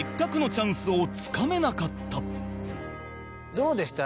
どうでした？